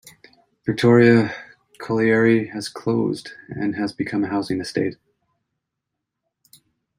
Victoria Colliery has closed and has become a housing estate.